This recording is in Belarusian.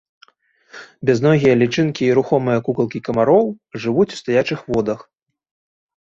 Бязногія лічынкі і рухомыя кукалкі камароў жывуць у стаячых водах.